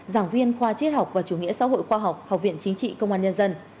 giảng viên khoa triết học và chủ nghĩa xã hội khoa học học viện chính trị công an nhân dân